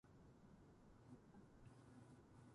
お腹すいたよ！！！！！